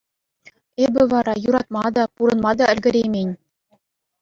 Эпӗ вара юратма та, пурӑнма та ӗлкӗреймен.